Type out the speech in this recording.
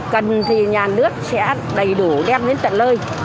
cần thì nhà nước sẽ đầy đủ đem đến trận lơi